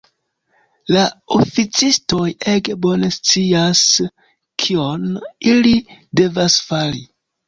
La oficistoj ege bone scias, kion ili devas fari.